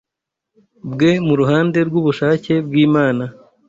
bwe mu ruhande rw’ubushake bw’Imana,